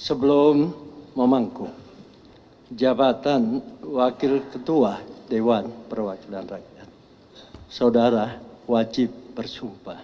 hai sebelum memangkum jabatan wakil ketua dewan perwakilan rakyat saudara wajib bersumpah